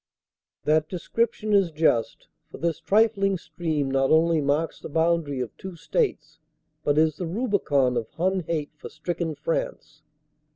That description is just, for this trifling stream not only marks the boundary of two states but is the rubicon of Hun hate for stricken France.